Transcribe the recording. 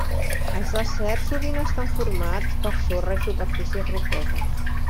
Els deserts sovint estan formats per sorra i superfícies rocoses.